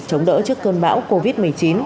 chống đỡ trước cơn bão covid một mươi chín